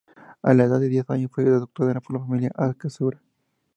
A la edad de diez años, fue adoptado por la familia Asakura.